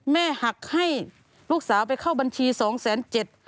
แม่หักให้ลูกสาวไปเข้าบัญชี๒แสน๗